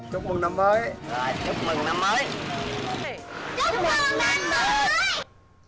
chúc mừng năm mới